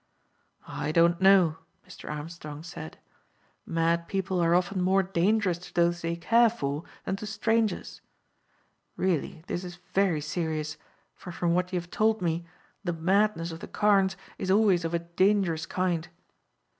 "I don't know," Mr. Armstrong said. "Mad people are often more dangerous to those they care for than to strangers. Really, this is very serious, for from what you have told me, the madness of the Carnes is always of a dangerous kind.